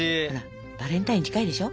バレンタイン近いでしょ？